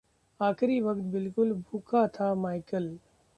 आखिरी वक्त बिल्कुल भूखा था माइकल